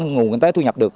ngủ đến tới thu nhập được